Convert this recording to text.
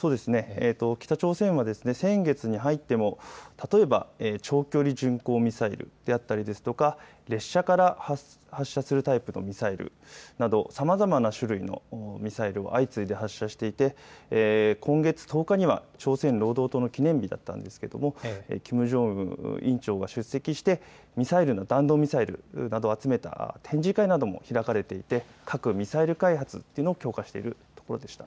北朝鮮は先月に入っても例えば長距離巡航ミサイルであったり列車から発射するタイプのミサイルなどさまざまな種類のミサイルを相次いで発射していて今月１０日には朝鮮労働党の記念日だったんですがキム・ジョンウン委員長が出席して弾道ミサイルなどを集めた展示会なども開かれていて核・ミサイル開発というの強化しているというところでした。